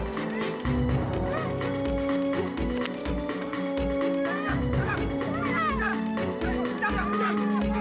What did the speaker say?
sampai jumpa di video selanjutnya